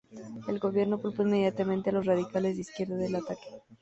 El gobierno culpó inmediatamente a los radicales de izquierda del ataque.